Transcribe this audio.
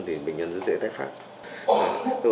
thì bệnh nhân rất dễ tái phát